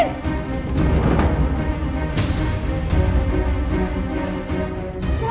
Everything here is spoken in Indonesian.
kamu bisa berdua